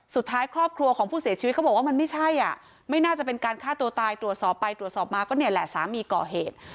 สุดท้ายครอบครัวของผู้เสียชีวิตเขาบอกว่ามันไม่ใช่อ่ะไม่น่าจะเป็นการฆ่าตัวตายตรวจสอบไปตรวจสอบมาก็เนี่ยแหละสามีก่อเหตุ